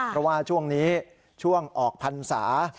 เพราะว่าช่วงนี้ช่วงออกพรรษา